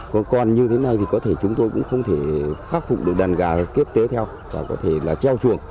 còn như thế này thì có thể chúng tôi cũng không thể khắc phụ được đàn gà kiếp tế theo và có thể là treo trường